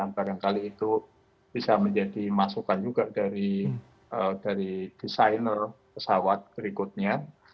barangkali itu bisa menjadi masukan juga dari desainer pesawat berikutnya